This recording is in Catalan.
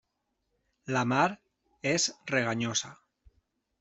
La mar és reganyosa.